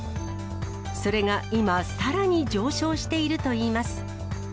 それが今、さらに上昇しているといいます。